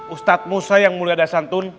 ustadz musa yang mulia dasantun